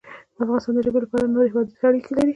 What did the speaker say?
افغانستان د ژبې له پلوه له نورو هېوادونو سره اړیکې لري.